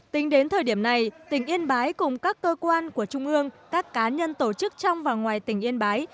tính đến thời điểm này tỉnh yên bái cùng các cơ quan của trung ương các cá nhân tổ chức trong và ngoài tỉnh yên bái